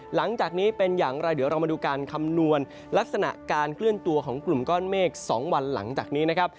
หลังจากนี้เป็นอย่างไรเดี๋ยวเรามาดูการคำนวณลักษณะการเคลื่อนตัวของกลุ่มก้อนเมฆ๒วันหลังจากนี้นะครับ